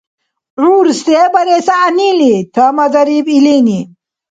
ГӀур се барес гӀягӀнили! — тӀамадариб илини